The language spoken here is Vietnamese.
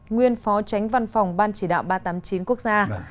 nguyên phó tránh văn phòng ban chỉ đạo ba trăm tám mươi chín quốc gia